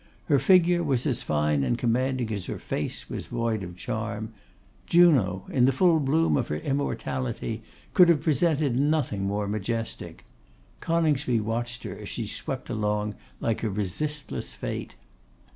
Her figure was as fine and commanding as her face was void of charm. Juno, in the full bloom of her immortality, could have presented nothing more majestic. Coningsby watched her as she swept along like a resistless Fate.